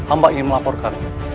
amba ingin melaporkan